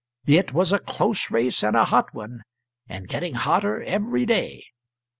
It was a close race and a hot one, and getting hotter every day.